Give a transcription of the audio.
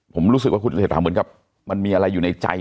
ผมรู้สึกว่าคุณเศรษฐาเหมือนกับมันมีอะไรอยู่ในใจ